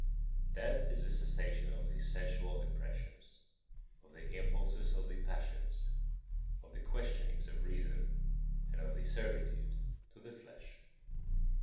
28. Death is the cessation of the sensual impressions, of the impulses of the passions, of the questionings of reason, and of the servitude to the flesh.